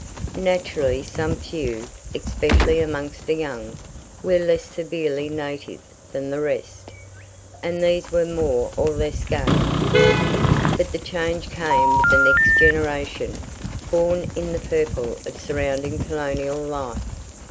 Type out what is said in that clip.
Naturally some few, especially amongst the young, were less severely "native" than the rest, and these were more or less gained. But the change came with the next generation, "born in the purple" of surrounding colonial life.